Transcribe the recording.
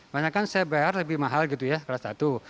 banyak kan saya bayar lebih mahal gitu ya kelas satu